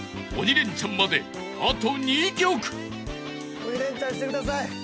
鬼レンチャンしてください。